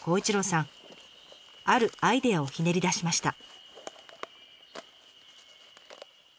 あるアイデアをひねり出しました。